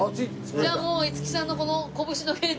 じゃあもう五木さんのこの拳の原点を。